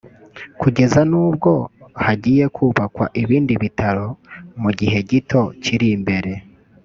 kugeza n’ubwo hagiye kubakwa ibindi bitaro mugihe gito kiri imbere”